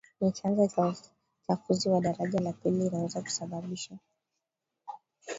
ni chanzo cha uchafuzi wa daraja la pili Inaweza kusababisha